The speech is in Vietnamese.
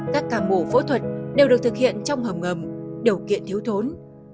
các ca mổ phẫu thuật đều được thực hiện trong hầm ngầm điều kiện thiếu thốn